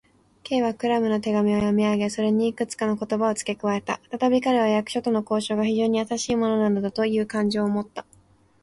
Ｋ はクラムの手紙を読みあげ、それにいくつかの言葉をつけ加えた。ふたたび彼は、役所との交渉が非常にやさしいものなのだという感情をもった。